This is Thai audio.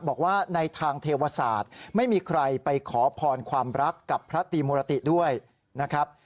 บอกว่าในทางเทวศาสตร์ไม่มีใครไปขอพรความรักกับพระตรีมุรติด้วยนะครับ